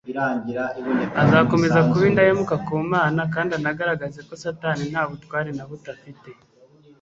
azakomeza kuba indahemuka ku Mana kandi anagaragaze ko Satani nta butware na buto afite